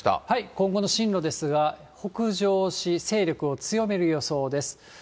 今後の進路ですが、北上し、勢力を強める予想です。